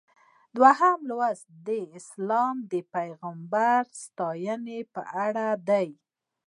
دویم لوست د اسلام د پیغمبر ستاینه په اړه دی.